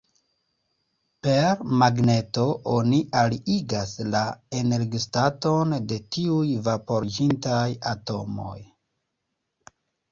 Per magneto oni aliigas la energistaton de tiuj vaporiĝintaj atomoj.